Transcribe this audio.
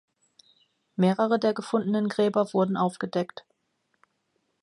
Mehrere der gefundenen Gräber wurden aufgedeckt.